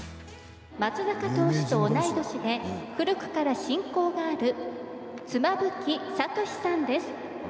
松坂投手と同い年で、古くから親交がある妻夫木聡さんです。